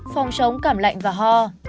phòng chống cảm lạnh